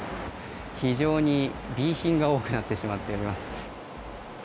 非常にＢ品が多くなってしまっています。